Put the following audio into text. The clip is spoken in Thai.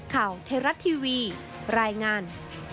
ข่าวเทรัตน์ทีวีรายงาน